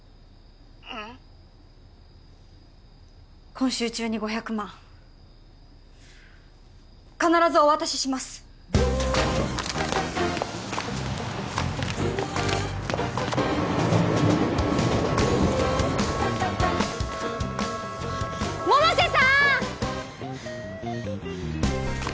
今週中に５００万必ずお渡しします百瀬さーん！